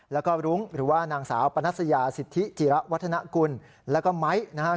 แล้วก็รุ้งหรือว่านางสาวปนัสยาสิทธิจิระวัฒนกุลแล้วก็ไม้นะฮะ